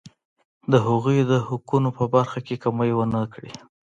د هغوی د حقونو په برخه کې کمی ونه کړي.